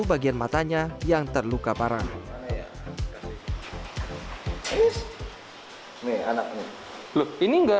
menamhiai kucing yang dimanfaatkan oleh bantuan determined